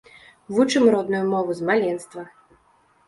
Вучым родную мову з маленства!